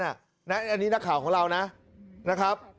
อันนี้นักข่าวของเรานะครับ